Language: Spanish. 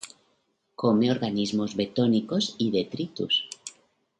Come organismos bentónicos y detritus.